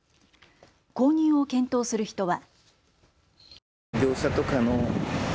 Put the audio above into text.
購入を検討する人は。